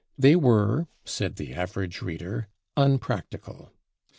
They were, said the average reader, "unpractical."